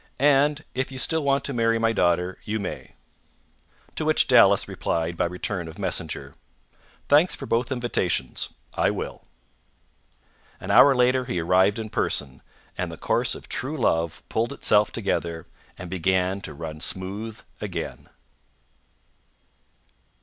And if you still want to marry my daughter, you may." To which Dallas replied by return of messenger: "Thanks for both invitations. I will." An hour later he arrived in person, and the course of true love pulled itself together, and began to run smooth again.